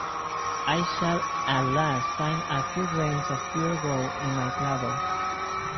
I shall at last find a few grains of pure gold in my cradle.